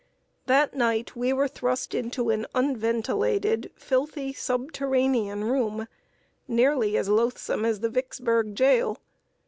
That night we were thrust into an unventilated, filthy, subterranean room, nearly as loathsome as the Vicksburg jail.